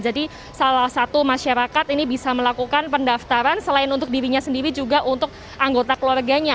jadi salah satu masyarakat ini bisa melakukan pendaftaran selain untuk dirinya sendiri juga untuk anggota keluarganya